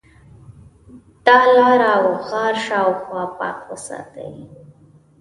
د ا لاره او غار شاوخوا پاک وساتئ.